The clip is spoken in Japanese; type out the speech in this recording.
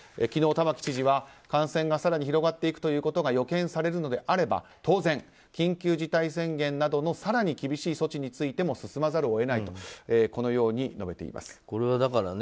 昨日、玉城知事は感染が更に広がっていくことが予見されるのであれば当然、緊急事態宣言などの更に厳しい措置についても進まざるを得ないとこのように述べています。